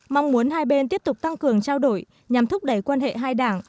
mong muốn hai bên tiếp tục tăng cường trao đổi nhằm thúc đẩy quan hệ hai đảng